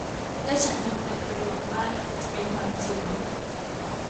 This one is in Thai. และฉันทำมันโดยหวังว่ามันจะเป็นความจริง